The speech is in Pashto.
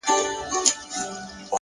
ریښتینی ځواک له دننه راپورته کېږي.!